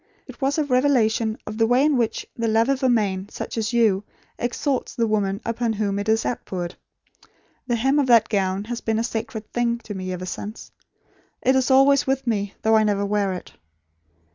It was a revelation of the way in which the love of a man such as you exalts the woman upon whom it is outpoured. The hem of that gown has been a sacred thing to me, ever since. It is always with me, though I never wear it.